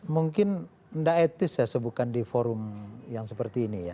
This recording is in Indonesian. mungkin tidak etis ya sebutkan di forum yang seperti ini ya